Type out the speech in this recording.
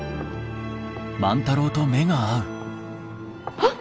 あっ！